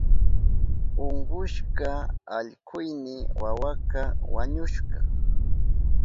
Unkushka allkuyni wawaka wañushka.